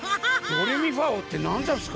ドレミファおうってなんざんすか？